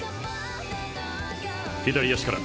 左足から。